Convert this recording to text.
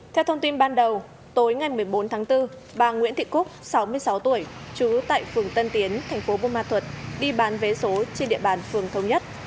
theo thông tin ban đầu tối ngày một mươi bốn tháng bốn bà nguyễn thị cúc sáu mươi sáu tuổi trú tại phường tân tiến thành phố buôn ma thuật đi bán vé số trên địa bàn phường thống nhất